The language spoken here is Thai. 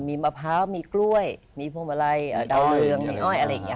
มีมะพร้าวมีกล้วยมีพวงมาลัยดาวเรืองมีอ้อยอะไรอย่างนี้